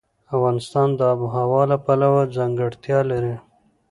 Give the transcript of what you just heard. افغانستان د آب وهوا له پلوه ځانګړتیاوې لري.